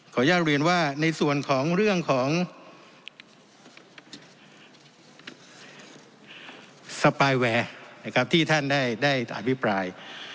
อนุญาตเรียนว่าในส่วนของเรื่องของสปายแวร์นะครับที่ท่านได้อภิปราย